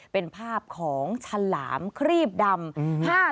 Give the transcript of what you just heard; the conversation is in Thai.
เป็นภาพของฉลามครีบดำ